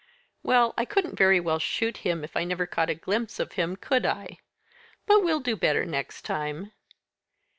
"Well I couldn't very well shoot him if I never caught a glimpse of him, could I? But we'll do better next time."